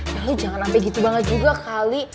ya lu jangan sampai gitu banget juga kali